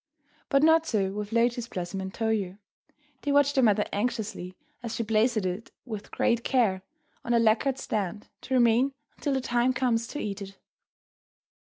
But not so with Lotus Blossom and Toyo. They watch their mother anxiously as she places it with great care on a lacquered stand, to remain until the time comes to eat it.